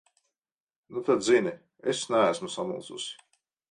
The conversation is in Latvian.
Nu tad zini: es neesmu samulsusi.